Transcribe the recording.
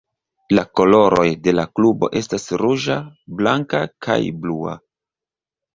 La koloroj de la klubo estas ruĝa, blanka, kaj blua.